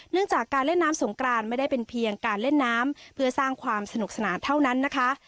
จากการเล่นน้ำสงกรานไม่ได้เป็นเพียงการเล่นน้ำเพื่อสร้างความสนุกสนานเท่านั้นนะคะ